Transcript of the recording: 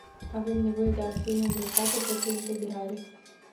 Avem nevoie de acțiuni îndreptate către integrare.